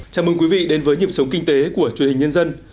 chào mừng quý vị đến với nhịp sống kinh tế của truyền hình nhân dân